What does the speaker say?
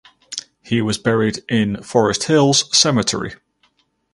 He was buried in Forest Hills Cemetery.